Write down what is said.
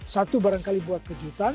satu barangkali buat kejutan